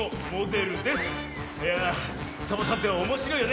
いやあサボさんっておもしろいよね。